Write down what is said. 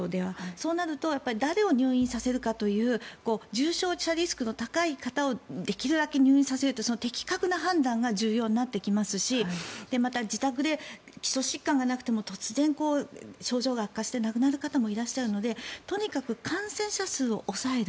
そうなると誰を入院させるかという重症化リスクの高い方をできるだけ入院させるという的確な判断が重要になってきますしまた自宅で基礎疾患がなくても突然、症状が悪化して亡くなる方もいらっしゃるのでとにかく感染者数を抑える。